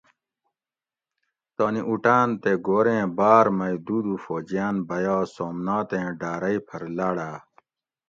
تانی اوٹاۤن تے گوریں بار مئ دودوفوجیان بیا سومناتیں ڈارئ پھر لاڑا